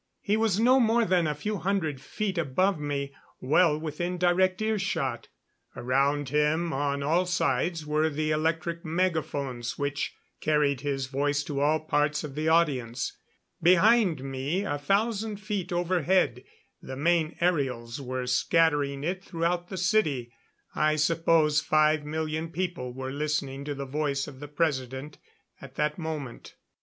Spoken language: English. He was no more than a few hundred feet above me, well within direct earshot. Around him on all sides were the electric megaphones which carried his voice to all parts of the audience. Behind me, a thousand feet overhead, the main aerials were scattering it throughout the city, I suppose five million people were listening to the voice of the President at that moment.